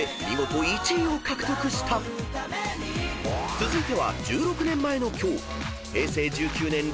［続いては１６年前の今日］